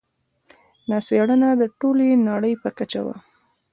دا څېړنه د ټولې نړۍ په کچه وه.